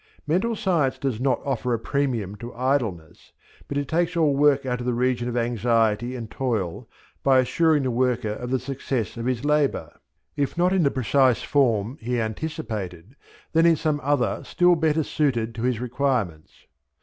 Mental Science does not offer a premium to idleness, but it takes, all work out of the region of anxiety and toil by assuring the worker of the success of his labour, if not in the precise form he anticipated, then in some other still better suited to his requirements.